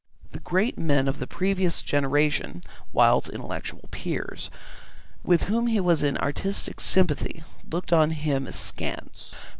The great men of the previous generation, Wilde's intellectual peers, with whom he was in artistic sympathy, looked on him askance.